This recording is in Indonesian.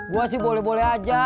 gue sih boleh boleh aja